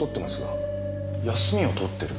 休みを取ってる？